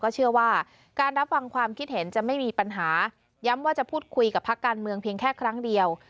เชื่อว่าการรับฟังความคิดเห็นจะไม่มีปัญหาย้ำว่าจะพูดคุยกับพักการเมืองเพียงแค่ครั้งเดียว